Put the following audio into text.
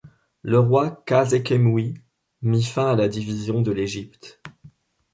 Le roi Khâsekhemoui mit fin à la division de l'Égypte.